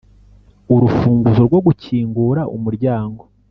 urufunguzo rwo gukingura umuryango